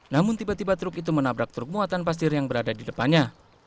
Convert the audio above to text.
namun tiba tiba truk itu menabrak truk muatan pasir yang berada di depannya